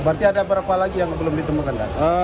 berarti ada berapa lagi yang belum ditemukan